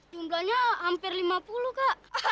jumlahnya hampir lima puluh kak